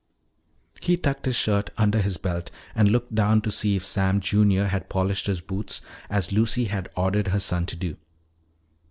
He tucked his shirt under his belt and looked down to see if Sam Junior had polished his boots as Lucy had ordered her son to do.